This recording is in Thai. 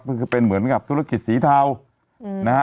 ก็คือเป็นเหมือนกับธุรกิจสีเทานะฮะ